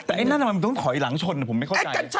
แต่ไอนั่นมันต้องขออีกหลังชนอ่ะผมไม่เข้าใจ